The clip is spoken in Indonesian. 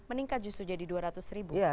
meningkat justru jadi dua ratus ribu